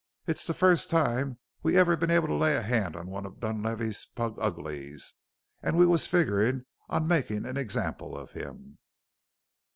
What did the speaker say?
It's the first time we've ever been able to lay a hand on one of Dunlavey's pluguglies, an' we was figgerin' on makin' an example of him."